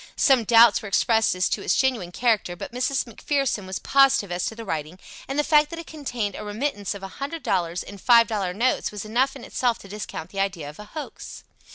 Some doubts were expressed as to its genuine character but Mrs. McPherson was positive as to the writing, and the fact that it contained a remittance of a hundred dollars in five dollar notes was enough in itself to discount the idea of a hoax.